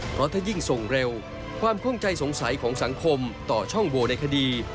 เพราะถ้ายิ่งส่งเร็วความข้องใจสงสัยของสังคมต่อช่องโวในคดี